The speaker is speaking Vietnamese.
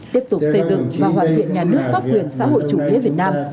tiếp tục xây dựng và hoàn thiện nhà nước pháp huyện xã hội chủ thế việt nam